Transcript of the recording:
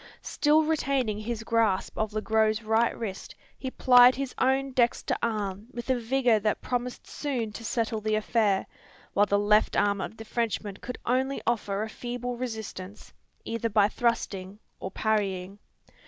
Still retaining his grasp of Le Gros's right wrist, he plied his own dexter arm with a vigour that promised soon to settle the affair; while the left arm of the Frenchman could offer only a feeble resistance, either by thrusting or parrying.